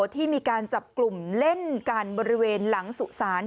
ที่มีการจับกลุ่มเล่นกันบริเวณหลังสุสาน